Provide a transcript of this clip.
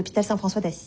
そうです。